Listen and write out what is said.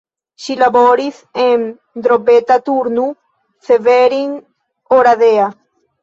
Ŝi laboris en Drobeta-Turnu Severin, Oradea.